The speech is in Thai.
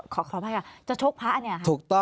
ขอบพระภัยครับจะชกภะเนี่ย